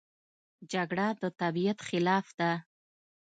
جګړه د طبیعت خلاف ده